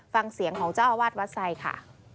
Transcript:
ฟังเสียงของเจ้าอาวาสวัดไซค์ค่ะ